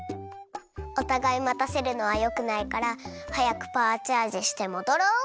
おたがいまたせるのはよくないからはやくパワーチャージしてもどろう！